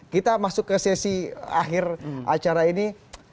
kita masuk ke sesi akhir acara ini